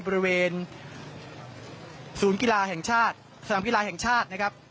บริเวณศูนย์กีฬาแห่งชาติสนามกีฬาแห่งชาตินะครับ